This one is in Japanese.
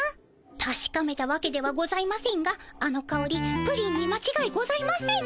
たしかめたわけではございませんがあのかおりプリンにまちがいございません。